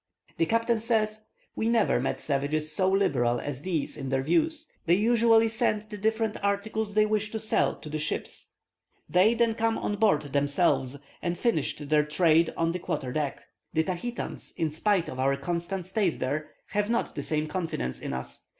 The captain says: "We never met savages so liberal as these in their views. They usually sent the different articles they wished to sell to the ships. They then came on board themselves, and finished their 'trade' on the quarter deck. The Tahitans, in spite of our constant stays there, have not the same confidence in us.